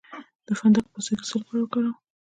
د فندق پوستکی د څه لپاره وکاروم؟